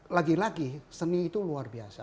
lagi lagi seni itu luar biasa